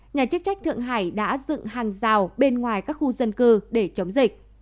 nhà chức trách thượng hải đã dựng hàng rào bên ngoài các khu dân cư để chống dịch